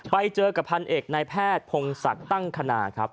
ไปเจอกับพันเอกนายแพทย์พงศักดิ์ตั้งคณาครับ